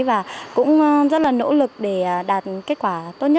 và cũng rất là nỗ lực để đạt kết quả tốt nhất